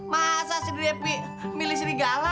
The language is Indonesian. masa si depi milih sirigala